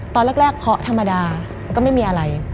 ตอนแรกเคาะธรรมดามันก็ไม่มีอะไร